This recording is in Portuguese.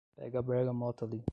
Pega a bergamota ali